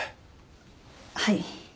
はい。